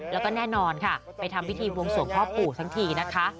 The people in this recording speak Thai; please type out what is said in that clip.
แล้วก็แน่นอนค่ะไปทำพิธีบวงสวงพ่อปู่สักทีนะคะ